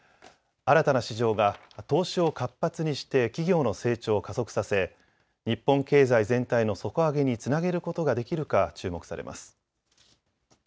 新たな市場が投資を活発にして企業の成長を加速させ日本経済全体の底上げにつなげることができるか注目されます。